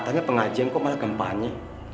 katanya pengajian kok malah kampanye